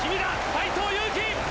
斎藤佑樹！